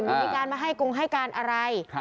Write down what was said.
มีการมาให้กงให้การอะไร